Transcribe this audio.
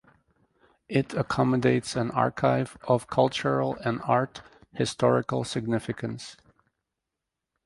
It accommodates an archive of cultural and art historical significance.